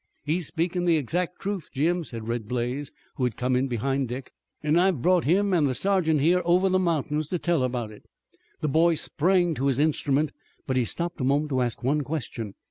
"He's speakin' the exact truth, Jim," said Red Blaze, who had come in behind Dick, "an' I've brought him an' the sergeant here over the mountains to tell about it." The boy sprang to his instrument. But he stopped a moment to ask one question.